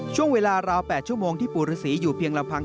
เวลาราว๘ชั่วโมงที่ปู่ฤษีอยู่เพียงลำพัง